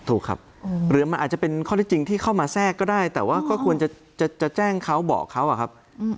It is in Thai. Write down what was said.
ถูกครับหรือมันอาจจะเป็นข้อที่จริงที่เข้ามาแทรกก็ได้แต่ว่าก็ควรจะแจ้งเขาบอกเขาอะครับ